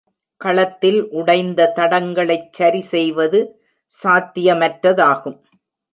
களத்தில் உடைந்த தடங்களைச் சரிசெய்வது சாத்தியமற்றதாகும்.